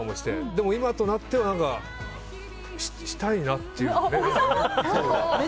でも今となってはしたいなっていうね。